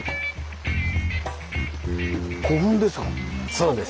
そうです。